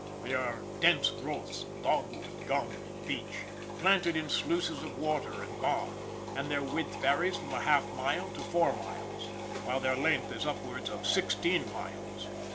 There are dense growths of dogwood, gum, and beech, planted in sluices of water and bog; and their width varies from a half mile to four miles, while their length is upwards of sixteen miles.